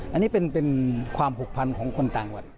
อันนี้เป็นความผูกพันของคนต่างวัด